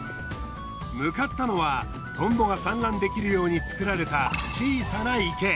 向かったのはトンボが産卵できるように作られた小さな池。